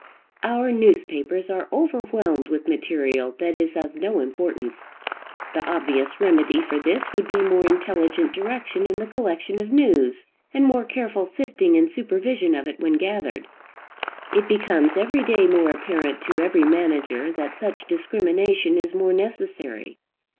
Our newspapers are overwhelmed with material that is of no importance. The obvious remedy for this would be more intelligent direction in the collection of news, and more careful sifting and supervision of it when gathered. It becomes every day more apparent to every manager that such discrimination is more necessary.